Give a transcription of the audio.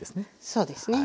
そうですね。